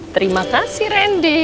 terima kasih randy